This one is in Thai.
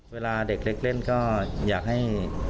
เวลาเด็กเล็กเล่นก็อยากให้